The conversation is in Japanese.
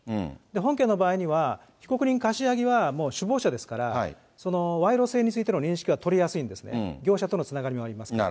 本件の場合には、被告人、柏木はもう首謀者ですから、賄賂性についての認識は取りやすいんですね、業者とのつながりもありますから。